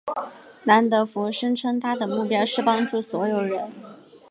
兰德福声称他的目标是帮助所有人。